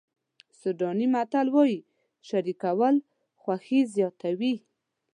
سوډاني متل وایي شریکول خوښي زیاتوي.